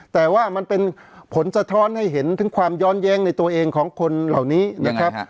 แต่ว่ามันเป็นผลสะท้อนให้เห็นถึงความย้อนแย้งในตัวเองของคนเหล่านี้นะครับ